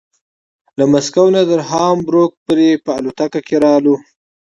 له مسکو نه تر هامبورګ پورې په الوتکه کې راغلو.